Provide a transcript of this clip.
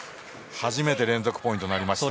初めて連続ポイントになりました。